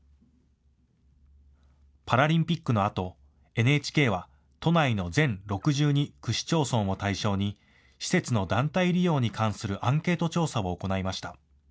パラリンピックのあとＮＨＫは都内の全６２区市町村を対象に施設の団体利用に関するアンケート調査を行いました。